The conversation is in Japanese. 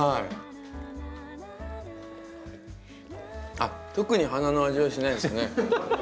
あっ特に花の味はしないですね。